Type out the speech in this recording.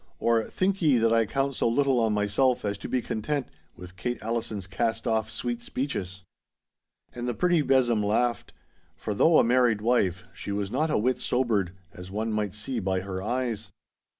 or "Think ye that I count so little on myself as to be content with Kate Allison's cast off sweet speeches."' And the pretty besom laughed. For though a married wife, she was not a whit sobered, as one might see by her eyes.